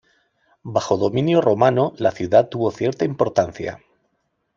Bajo dominio romano la ciudad tuvo cierta importancia.